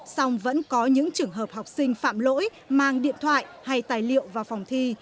song vẫn có những trường hợp học sinh phạm lỗi mang điện thoại hay tài liệu vào phòng thi